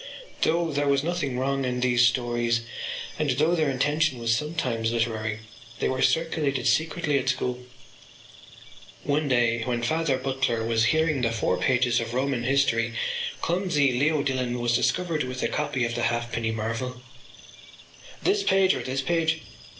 Though there was nothing wrong in these stories and though their intention was sometimes literary they were circulated secretly at school. One day when Father Butler was hearing the four pages of Roman History clumsy Leo Dillon was discovered with a copy of The Halfpenny Marvel. “This page or this page?